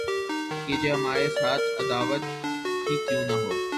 کیجئے ہمارے ساتھ‘ عداوت ہی کیوں نہ ہو